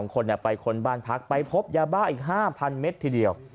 คนไปค้นบ้านพักไปพบยาบ้าอีก๕๐๐เมตรทีเดียว